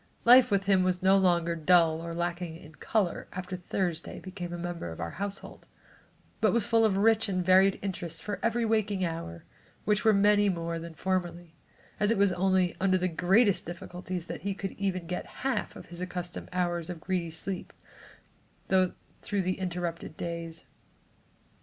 Life with him was no longer dull or lacking in color after Thursday became a member of our household, but was full of rich and varied interests for every waking hour, which were many more than formerly, as it was only under the greatest difficulties that he could get even half of his accustomed hours of greedy sleep through the interrupted days.